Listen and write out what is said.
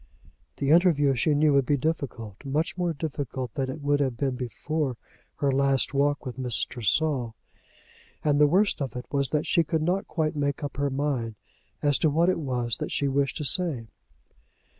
The interview she knew would be difficult, much more difficult than it would have been before her last walk with Mr. Saul; and the worst of it was that she could not quite make up her mind as to what it was that she wished to say.